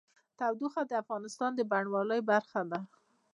تودوخه د افغانستان د بڼوالۍ برخه ده.